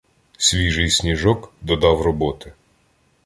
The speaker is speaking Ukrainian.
Свіжий сніжок додавав роботи.